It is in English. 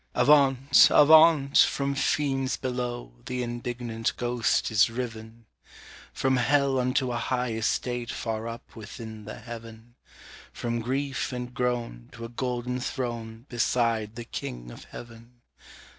"Avaunt! avaunt! from fiends below, the indignant ghost is riven From Hell unto a high estate far up within the Heaven From grief and groan, to a golden throne, beside the King of Heaven!